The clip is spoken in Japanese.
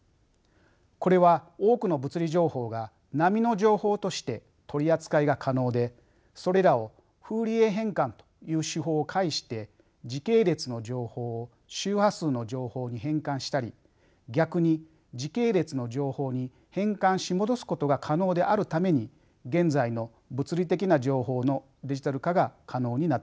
これは多くの物理情報が波の情報として取り扱いが可能でそれらをフーリエ変換という手法を介して時系列の情報を周波数の情報に変換したり逆に時系列の情報に変換し戻すことが可能であるために現在の物理的な情報のデジタル化が可能になっています。